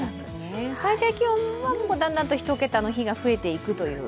最低気温もだんだんと１桁の日が増えていくという？